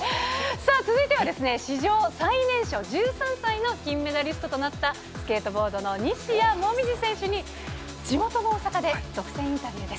さあ、続いては史上最年少、１３歳の金メダリストとなった、スケートボードの西矢椛選手に、地元の大阪で独占インタビューです。